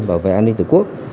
bảo vệ an ninh tự quốc